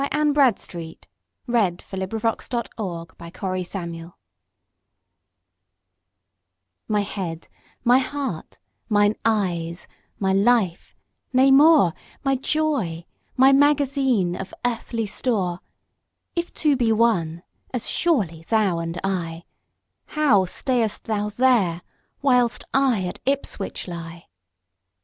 Y Z A Letter to Her Husband Absent upon Public Employment MY head, my heart, mine eyes, my life, nay more, My joy, my magazine, of earthly store, If two be one, as surely thou and I, How stayest thou there, whilst I at Ipswich lie?